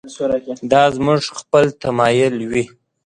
دا زموږ خپل تمایل وي.